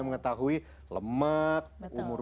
mengetahui lemak umur